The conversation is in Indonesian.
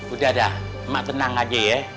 udah dah mak tenang aja ya